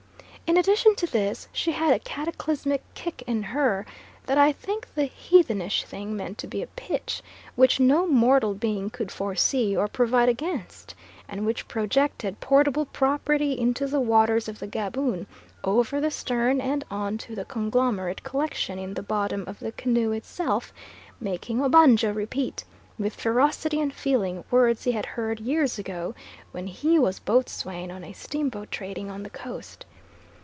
In addition to this, she had a cataclysmic kick in her that I think the heathenish thing meant to be a pitch which no mortal being could foresee or provide against, and which projected portable property into the waters of the Gaboon over the stern and on to the conglomerate collection in the bottom of the canoe itself, making Obanjo repeat, with ferocity and feeling, words he had heard years ago, when he was boatswain on a steamboat trading on the Coast.